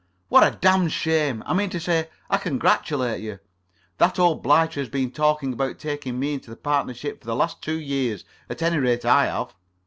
"What a damned shame! I mean to say, I congratulate you. That old blighter has been talking about taking me into partnership for the last two years. At any rate, I have."